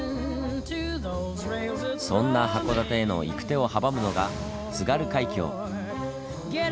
そんな函館への行く手を阻むのが津軽海峡。